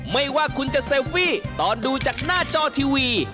ไม่ว่าคุณจะเซลฟี่ตอนดูจากหน้าจอทีวี